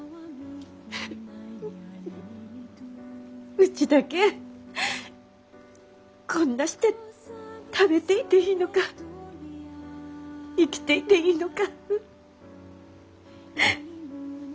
うちだけこんなして食べていていいのか生きていていいのか。